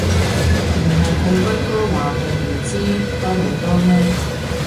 唔係去溫哥華定唔知多倫多咩